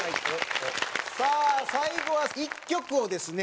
さあ最後は１曲をですね